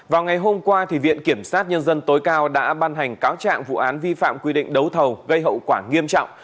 vào ngày hôm qua viện kiểm sát nhân dân tối cao đã ban hành cáo trạng vụ án vi phạm quy định đấu thầu gây hậu quả nghiêm trọng